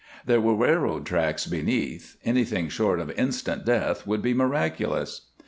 There were railroad tracks beneath; anything short of instant death would be miraculous.